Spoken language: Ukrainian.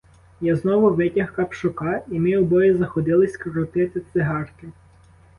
Я знову витяг капшука, і ми обоє заходились крутити цигарки.